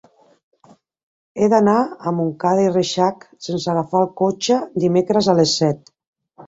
He d'anar a Montcada i Reixac sense agafar el cotxe dimecres a les set.